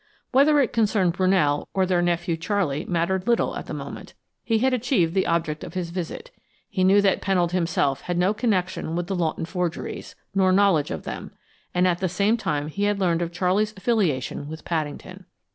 Whether it concerned Brunell or their nephew Charley mattered little, at the moment. He had achieved the object of his visit; he knew that Pennold himself had no connection with the Lawton forgeries, nor knowledge of them, and at the same time he had learned of Charley's affiliation with Paddington.